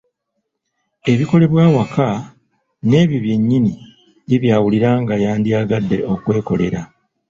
Ebikolebwa awaka nebyo byennyini ye byawulira nga y'andyagadde okwekolera.